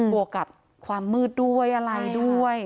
วกกับความมืดด้วยอะไรด้วย